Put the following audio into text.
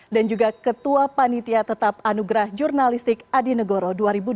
dan juga ketua panitia tetap anugerah jurnalistik adi negoro dua ribu dua puluh dua ribu dua puluh tiga